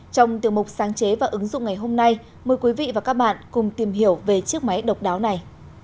trong tiểu mục sáng chế và ứng dụng ngày hôm nay mời quý vị và các bạn cùng tìm hiểu về chiếc máy độc đáo này